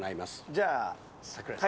じゃあ、櫻井さん。